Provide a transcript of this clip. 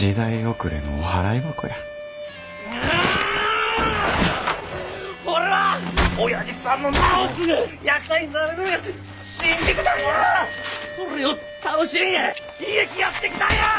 それを楽しみに喜劇やってきたんや！